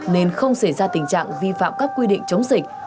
nên không xảy ra tình trạng vi phạm các quy định chống dịch